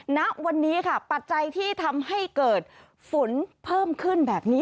ณวันนี้ค่ะปัจจัยที่ทำให้เกิดฝนเพิ่มขึ้นแบบนี้